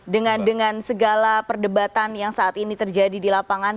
dengan segala perdebatan yang saat ini terjadi di lapangan